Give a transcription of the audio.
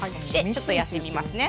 ちょっとやってみますね。